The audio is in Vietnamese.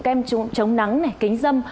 kem chống nắng kính dâm